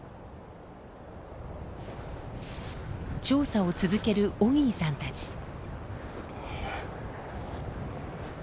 調査を続けるオギーさんたち。